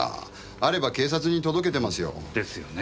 あれば警察に届けてますよ。ですよね。